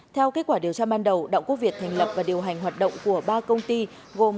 theo kết quả điều tra ban đầu đặng quốc việt thành lập và điều hành hoạt động của ba công ty gồm